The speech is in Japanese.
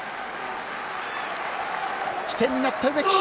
起点になった植木。